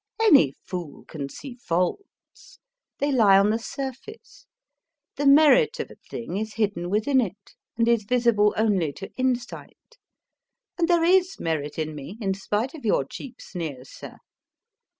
Any fool can see faults, they lie on the surface. The merit of a thing is hidden within it, and is visible only to insight. And there is merit in me, in spite of your cheap sneers, sir.